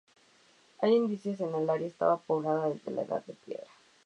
Hay indicios que el área estaba poblada desde la edad de piedra.